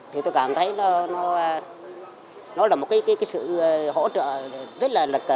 thì tôi cảm thấy nó là một cái sự hỗ trợ rất là lực